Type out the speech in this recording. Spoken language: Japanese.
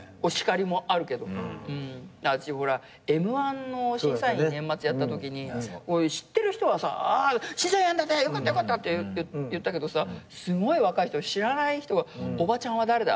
私Ｍ−１の審査員年末やったときに知ってる人は「審査員やるんだねよかったよかった」って言ったけどさすごい若い人知らない人が「おばちゃんは誰だ？」